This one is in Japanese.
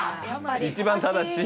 一番正しい。